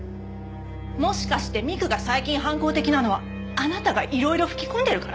もしかして美玖が最近反抗的なのはあなたがいろいろ吹き込んでるから？